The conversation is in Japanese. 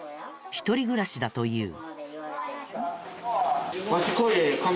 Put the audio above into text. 一人暮らしだという。